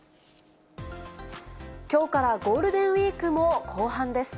きょうからゴールデンウィークも後半です。